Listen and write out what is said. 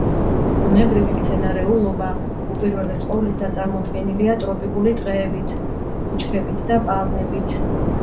ბუნებრივი მცენარეულობა უპირველეს ყოვლისა წარმოდგენილია ტროპიკული ტყეებით, ბუჩქებით და პალმებით.